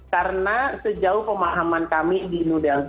karena sejauh pemahaman kami di nudelgi